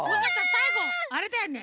さいごあれだよね。